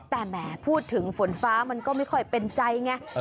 แต่แหมพูดถึงฝนฟ้ามันก็ไม่ค่อยเป็นใจไง